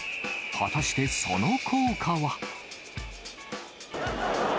果たしてその効果は。